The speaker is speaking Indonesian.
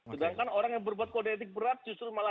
sedangkan orang yang berbuat kode etik berat justru malah